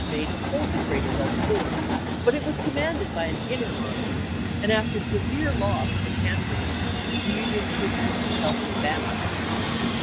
made to hold the crater thus formed, but it was commanded by an inner line, and after severe loss from hand grenades the Union troops were com pelled to abandon it.